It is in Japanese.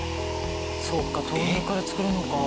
そっか豆乳から作るのか。